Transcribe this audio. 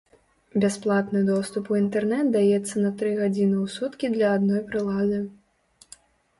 Бясплатны доступ у інтэрнэт даецца на тры гадзіны ў суткі для адной прылады.